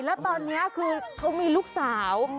แล้วตอนนี้คือเขามีลูกสาว